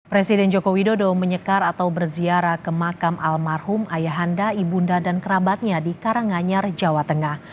presiden joko widodo menyekar atau berziarah ke makam almarhum ayahanda ibunda dan kerabatnya di karanganyar jawa tengah